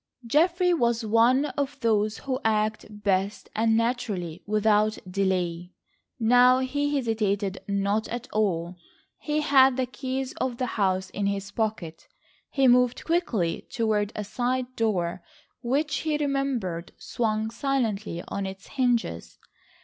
Geoffrey was one of those who act best and naturally without delay. Now he hesitated not at all. He had the keys of the house in his pocket, and he moved quickly toward a side door which he remembered swung silently on its hinges.